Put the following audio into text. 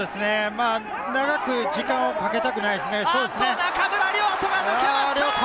長く時間をかけたくないですね。